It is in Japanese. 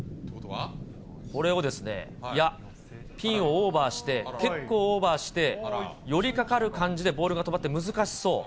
これをいや、ピンをオーバーして、結構オーバーして、乗りかかる感じでボールが止まって難しそう。